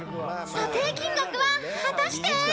［査定金額は果たして？］